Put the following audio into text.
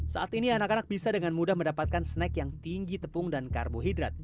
saat ini anak anak bisa dengan mudah mendapatkan snack yang tinggi tepung dan karbohidrat